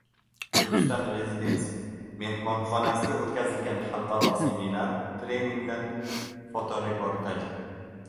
"Turkistan residence" mehmonxonasida o‘tkazilgan Xalqaro seminar-treningdan fotoreportaj